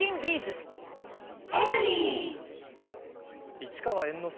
市川猿之助